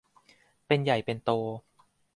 เป็นใหญ่เป็นโต